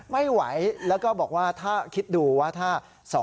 ไม่ไหวแล้วก็บอกว่าถ้าคิดดูว่าถ้า